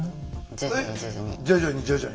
徐々に徐々にね。